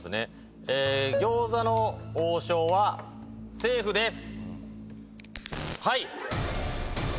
餃子の王将はセーフです。